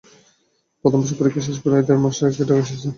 প্রথম বর্ষের পরীক্ষা শেষ করে প্রায় দেড় মাস আগে ঢাকায় এসেছেন।